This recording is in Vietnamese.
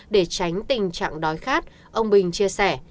để tránh tình trạng đói khát ông bình chia sẻ